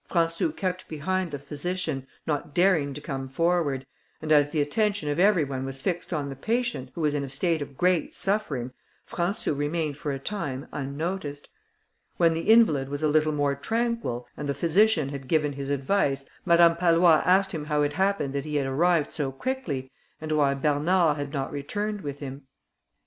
Françou kept behind the physician, not daring to come forward, and as the attention of every one was fixed on the patient, who was in a state of great suffering, Françou remained for a time unnoticed. When the invalid was a little more tranquil, and the physician had given his advice, Madame Pallois asked him how it happened that he had arrived so quickly, and why Bernard had not returned with him.